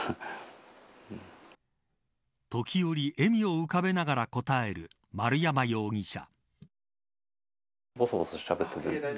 時折笑みを浮かべながら答える丸山容疑者。